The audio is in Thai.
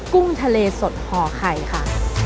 กุ้งทะเลสดห่อไข่ค่ะ